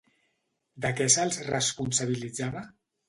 De què se'ls responsabilitzava?